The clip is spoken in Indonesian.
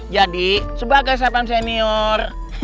jadi sebagai sapan senior